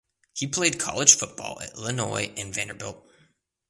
He played college football at Illinois and Vanderbilt.